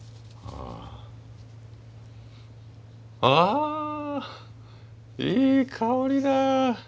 あいい香りだ。